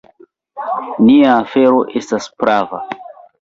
Nia afero estas prava.